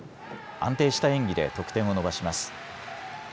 安定した演技で得点を伸ばします。